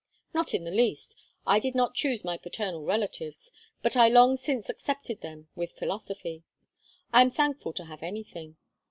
"Not in the least. I did not choose my paternal relatives, but I long since accepted them with philosophy. I am thankful to have anything.